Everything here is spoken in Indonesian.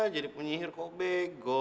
jadi penyihir kok bego